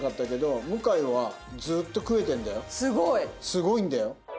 すごいんだよ。